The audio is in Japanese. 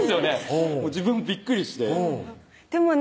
自分もびっくりしてでもね